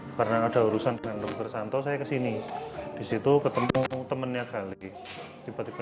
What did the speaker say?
karena ada urusan dengan teguh kersanto saya kesini disitu ketemu temennya kali tiba tiba